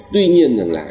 tuy nhiên là